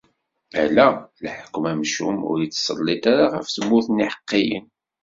Ala, leḥkwem amcum ur ittselliṭ ara ɣef tmurt n yiḥeqqiyen.